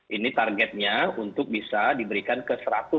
ini targetnya untuk bisa diberikan ke satu ratus dua puluh